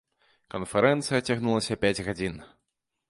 Канферэнцыя цягнулася пяць гадзін.